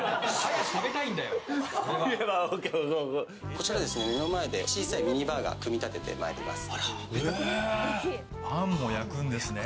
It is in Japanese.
こちら、目の前で小さいミニバーガーを組み立ててまいります。